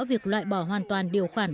việc loại bỏ hoàn toàn điều khoản